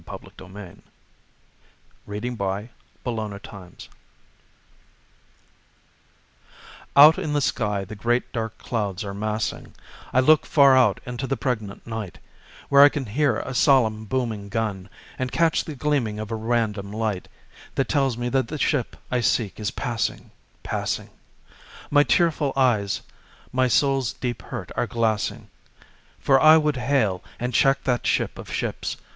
SHIPS THAT PASS IN THE NIGHT Out in the sky the great dark clouds are massing; I look far out into the pregnant night, Where I can hear a solemn booming gun And catch the gleaming of a random light, That tells me that the ship I seek is passing, passing. My tearful eyes my soul's deep hurt are glassing; For I would hail and check that ship of ships.